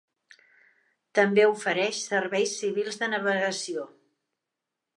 També ofereix serveis civils de navegació.